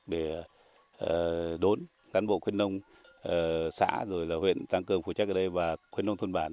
để đốn cán bộ khuyến nông xã huyện tăng cơm phụ trách ở đây và khuyến nông thôn bàn